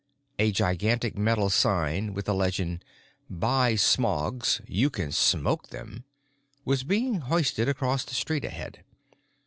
A gigantic metal sign with the legend, Buy Smogs——You Can SMOKE Them, was being hoisted across the street ahead.